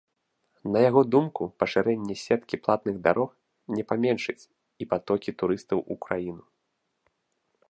На яго думку, пашырэнне сеткі платных дарогі не паменшыць і патокі турыстаў у краіну.